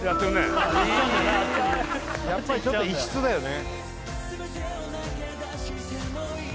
あっちにやっぱりちょっと異質だよね